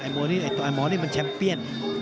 ไอ้โมนี่ไอ้โมนี่มันแชมป์เบียน